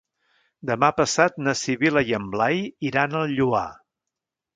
Demà passat na Sibil·la i en Blai iran al Lloar.